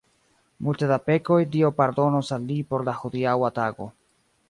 Multe da pekoj Dio pardonos al li por la hodiaŭa tago.